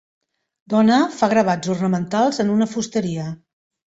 Dona fa gravats ornamentals en una fusteria